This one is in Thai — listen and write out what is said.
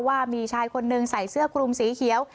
ว่ามีชายคนหนึ่งใส่เสื้อคลุมสีเขียว